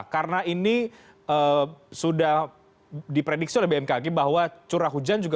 karena ini sudah diprediksi oleh bmkg bahwa curah hujan juga